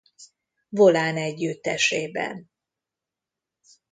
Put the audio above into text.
Volán együttesében.